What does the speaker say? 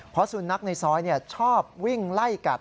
เพราะสุนัขในซอยชอบวิ่งไล่กัด